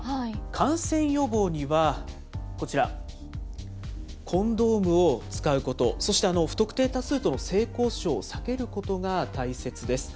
感染予防にはこちら、コンドームを使うこと、そして不特定多数との性交渉を避けることが大切です。